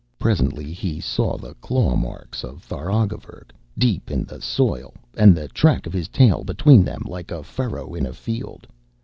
Presently he saw the claw marks of Tharagavverug deep in the soil, and the track of his tail between them like a furrow in a field.